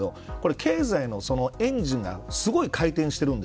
経済のエンジンが、すごい回転してるんです。